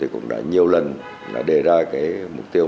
cũng đã nhiều lần đề ra mục tiêu